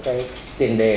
những tiền đề đúng